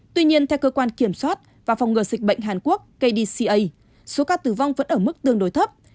tuy nhiên theo cơ quan kiểm soát và phòng ngừa dịch bệnh hàn quốc kdca số ca tử vong vẫn ở mức tương đối thấp